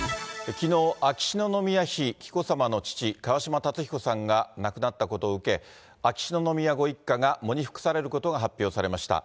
きのう、秋篠宮妃紀子さまの父、川嶋辰彦さんが亡くなったことを受け、秋篠宮ご一家が喪に服されることが発表されました。